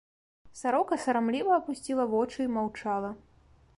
Сарока сарамліва апусціла вочы і маўчала.